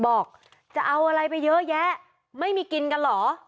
บอกจะเอาอะไรไปเยอะแยะไม่มีกินกันเหรอ